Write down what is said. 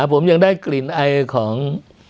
ผมยังได้กลิ่นไอของ